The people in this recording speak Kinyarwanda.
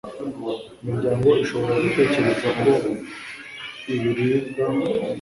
imiryango ishobora gutekereza ko ibiribwa